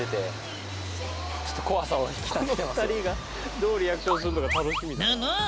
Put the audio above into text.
この２人がどうリアクションすんのか楽しみだなあ。